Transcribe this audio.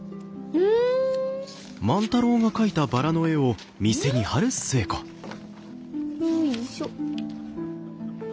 うん？よいしょ。